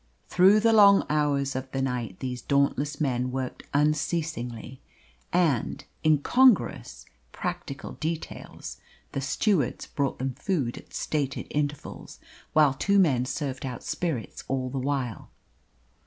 Through the long hours of the night these dauntless men worked unceasingly, and incongruous practical details the stewards brought them food at stated intervals, while two men served out spirits all the while.